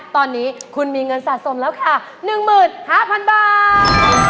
ตอนนี้คุณมีเงินสะสมแล้วค่ะ๑๕๐๐๐บาท